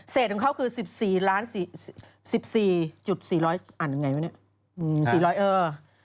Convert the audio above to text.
เศษของเขาคือ๑๔ล้าน๑๔๑๔๑๔อันยังไงว่ะเนี้ย